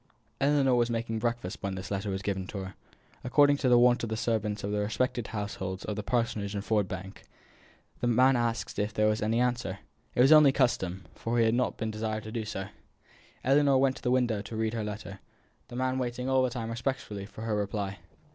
Ellinor was making breakfast when this letter was given her. According to the wont of the servants of the respective households of the Parsonage and Ford Bank, the man asked if there was any answer. It was only custom; for he had not been desired to do so. Ellinor went to the window to read her letter; the man waiting all the time respectfully for her reply.